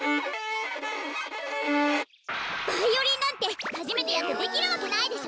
バイオリンなんてはじめてやってできるわけないでしょ！